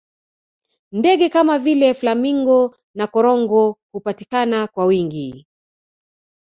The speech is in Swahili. ndege Kama vile flamingo na korongo hupatikana kwa wingi